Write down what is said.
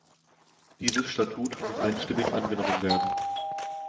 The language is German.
Dieses Statut muss einstimmig angenommen werden.